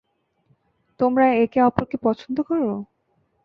তোমরা একে অপরকে পছন্দ করো।